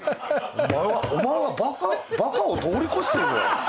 お前はバカを通り越してる。